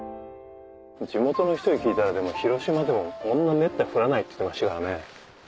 地元の人に聞いたら広島でもこんなめったに降らないって言ってましたからね。